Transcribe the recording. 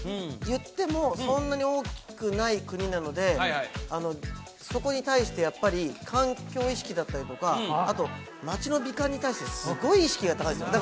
いってもそんなに大きくない国なのでそこに対してやっぱり環境意識だったりとかあと街の美化に対してすごい意識が高いんですよ